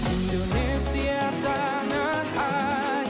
indonesia tanah airku